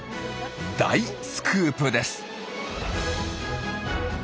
大スクープです！